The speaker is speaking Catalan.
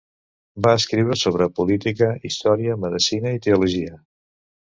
Va escriure sobre política, història, medicina i teologia.